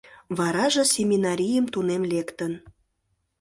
Вараже семинарийым тунем лектын.